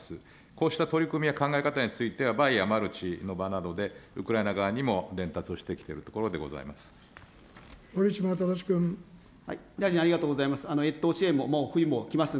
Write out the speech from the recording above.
こうした取り組みや考え方によってはバイやマルチの場でウクライナ側にも伝達をしてきているところでございます。